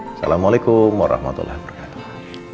assalamualaikum warahmatullahi wabarakatuh